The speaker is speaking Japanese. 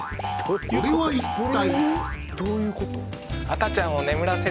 これは一体？